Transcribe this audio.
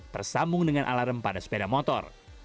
tersambung dengan alarm pada sepeda motor